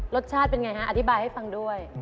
รสชาติเป็นไงฮะอธิบายให้ฟังด้วย